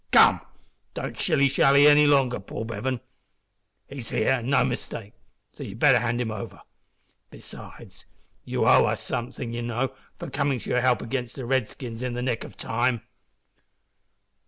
Come, don't shilly shally any longer, Paul Bevan. He's here, and no mistake, so you'd better hand him over. Besides, you owe us something, you know, for coming to your help agin the redskins in the nick of time."